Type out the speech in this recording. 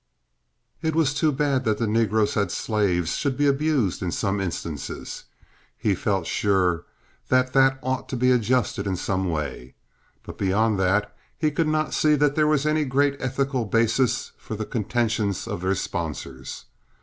It was too bad that the negroes as slaves should be abused in some instances. He felt sure that that ought to be adjusted in some way; but beyond that he could not see that there was any great ethical basis for the contentions of their sponsors.